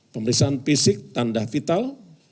pemeriksaan fisik tanda vital